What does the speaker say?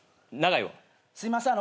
すいません。